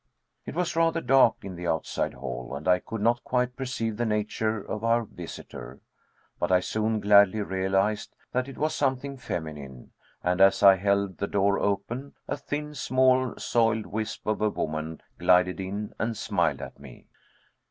It was rather dark in the outside hall, and I could not quite perceive the nature of our visitor. But I soon gladly realized that it was something feminine, and as I held the door open, a thin, small, soiled wisp of a woman glided in and smiled at me.